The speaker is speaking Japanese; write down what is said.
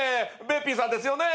べっぴんさんですよね。